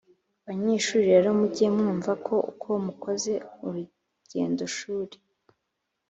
banyeshuri rero muge mwumva ko uko mukoze urugendoshuri,